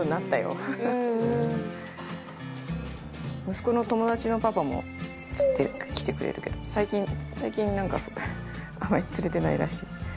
息子の友達のパパも釣ってきてくれるけど最近最近なんかあんまり釣れてないらしい。